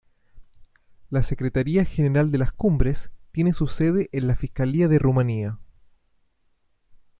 La Secretaria General de las Cumbres tiene su sede en la Fiscalía de Rumanía.